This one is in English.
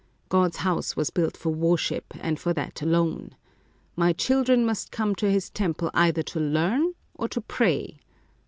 God's house was built for worship, and for that alone. My children must come to His temple either to learn or to pray.